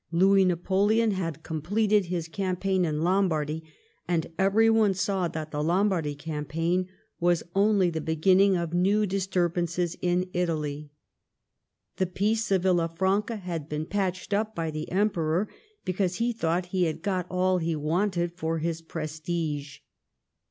Louis Napoleon had completed his campaign in Lombardy, and every one saw that the Lombardy campaign was only the begin ning of new disturbances in Italy. The peace of Villafranca had been patched up by the Emperor because he thought that he had got all he wanted for his prestige.